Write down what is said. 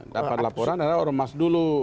dapat laporan adalah ormas dulu